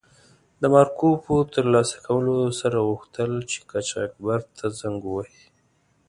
د مارکو په تر لاسه کولو سره غوښتل چې قاچاقبر ته زنګ و وهي.